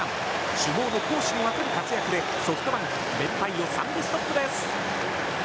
主砲の攻守にわたる活躍でソフトバンク連敗を３でストップです。